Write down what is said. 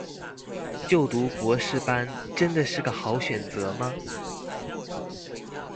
就讀博士班真的是個好選擇嗎